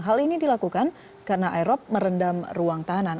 hal ini dilakukan karena aerob merendam ruang tahanan